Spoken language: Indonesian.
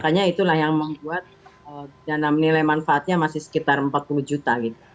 makanya itulah yang membuat dana nilai manfaatnya masih sekitar empat puluh juta gitu